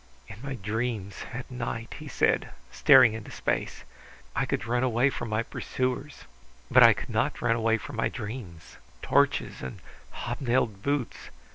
"In my dreams at night!" he said, staring into space. "I could run away from my pursuers, but I could not run away from my dreams! Torches and hobnailed boots!...